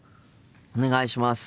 お願いします。